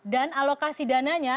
dan alokasi dananya